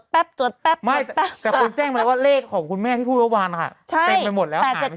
แต่คุณแจ้งมันว่าเลขของคุณแม่ที่พูดเวลาวานหละคะ